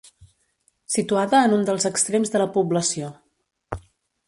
Situada en un dels extrems de la població.